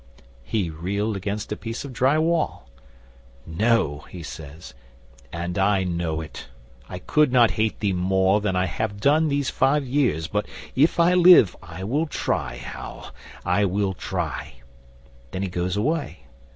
'He reeled against a piece of dry wall. "No," he says, "and I know it. I could not hate thee more than I have done these five years, but if I live, I will try, Hal. I will try." Then he goes away.